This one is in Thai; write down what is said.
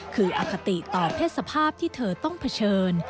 คืออคติต่อเพศสภาพที่เธอต้องเผชิญ